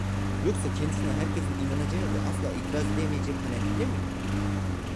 Yoksa kendisine herkesin inanacağı ve asla itiraz edemeyeceği kanaatinde miydi?